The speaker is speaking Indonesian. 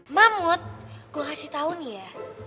mahmud gue kasih tau nih ya